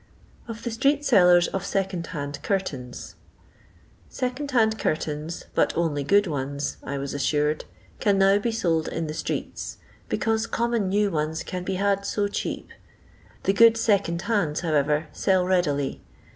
Of thb Strbet Ssllvrs ov SB002a> nAN]> Curtains. Sboovd Hakd Curtains, but only good ones, I was assured, can now be sold in the streets. " because common new ones can be had so cheap." The " good second hands," however, sell readily.